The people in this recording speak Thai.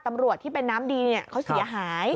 ตำรวจที่เป็นน้ำดีเขาเสียหาย